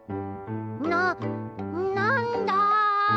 ななんだ！？